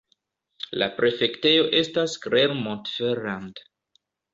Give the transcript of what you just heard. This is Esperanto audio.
La prefektejo estas Clermont-Ferrand.